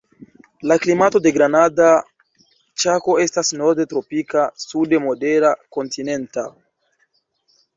La klimato de Granda Ĉako estas norde tropika, sude modera kontinenta.